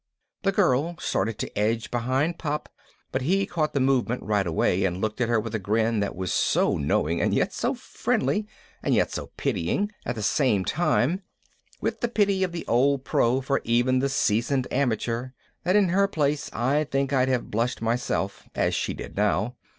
The girl started to edge behind Pop, but he caught the movement right away and looked at her with a grin that was so knowing and yet so friendly, and yet so pitying at the same time with the pity of the old pro for even the seasoned amateur that in her place I think I'd have blushed myself, as she did now